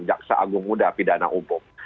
jaksa agung muda pidana umum